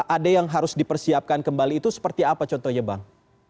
ada yang harus dipersiapkan kembali itu seperti apa contohnya bang